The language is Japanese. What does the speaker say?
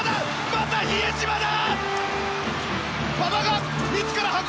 また、比江島だ！